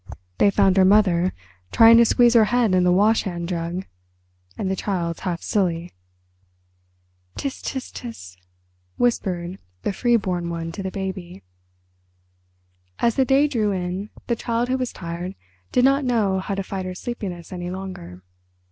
They found her mother trying to squeeze her head in the wash hand jug, and the child's half silly." "Ts—ts—ts!" whispered the "free born" one to the baby. As the day drew in the Child Who Was Tired did not know how to fight her sleepiness any longer.